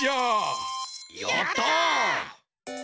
やった！